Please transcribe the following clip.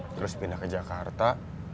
terus pindah ke jakarta